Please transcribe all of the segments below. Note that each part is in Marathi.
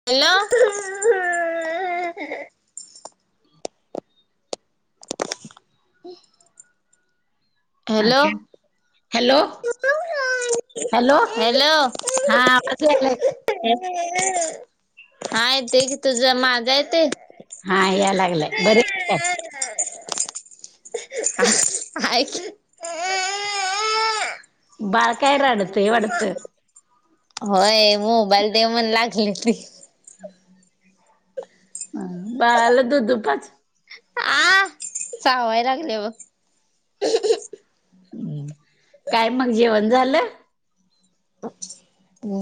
हॅलो हम् अे हॅलो हॅलो हॅलो हा हा य ते की तुझ माझा येत हा या लागलंय बरेच ख बळ कायरडत ये अडत होय मोबाईल दे म्हणला लागले ती बाळाला दूधू पाज. आ चावायला लागलं बग. हम्म काय मग जेवण झालं?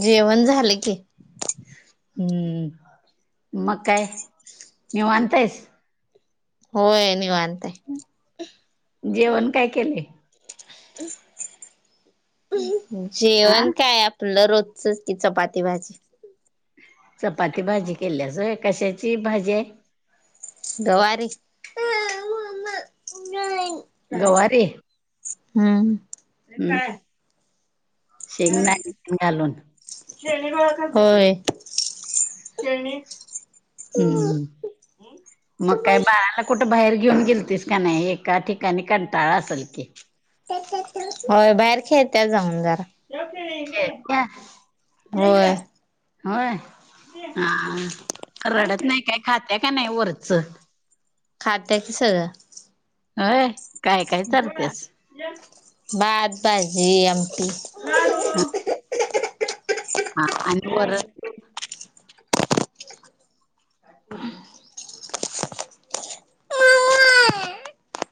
जेवण झालं की. हम्म मग काय निवांत येस - होय नाही निवांत जेवण काय केले? हा जेवण काय आप- तुलं रोजच की चपाती भाजी. चपाती भाजी केली सो कश्याची भाजी. गवारी गवारी हम्म काय? शेंग नाय, [unintelligible] घालून. खेळणी गोळा कर, होय खेळणी. हम्म हम्म मग काय बाळा कुठं बाहेर घेऊन गेलतीस का नाही, एका ठिकाणी कंटाळा असल की? होय बाहेर खेळत जाऊन जरा खेळत्या होय. होय हा, रडत नाही काय? खाते का नाही वरचं खाते की सगळं. होय. काय काय चारत्यास भात, भाजी आमटी. हा आणि वर- [inaudible]